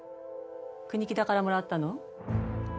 国木田からもらったの？